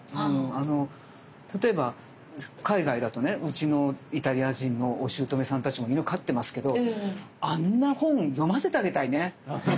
例えば海外だとねうちのイタリア人のおしゅうとめさんたちも犬飼ってますけどあんな本読ませてあげたいね。